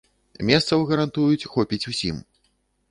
Месцаў, гарантуюць, хопіць усім.